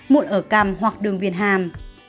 mụn ở cằm hoặc đường viền hàm